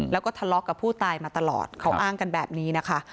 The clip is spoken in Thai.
แล้วก็ทะเลาะกับผู้ตายมาตลอดเขาอ้างกันแบบนี้นะคะ